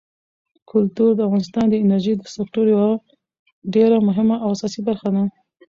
کلتور د افغانستان د انرژۍ د سکتور یوه ډېره مهمه او اساسي برخه ده.